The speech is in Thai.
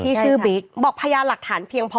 ชื่อบิ๊กบอกพยานหลักฐานเพียงพอ